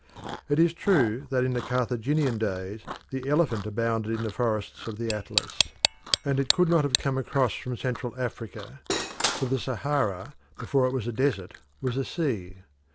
It is true that in the Carthaginian days the elephant abounded in the forests of the Atlas, and it could not have come across from central Africa, for the Sahara, before it was a desert, was a sea.